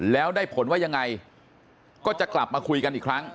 แล้วได้ผลว่ายังไงก็จะกลับมาคุยกันอีกครั้ง